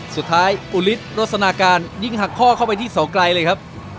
สุดท้ายอุฤทธิโรสนาการยิงหักข้อเข้าไปที่เสาไกลเลยครับ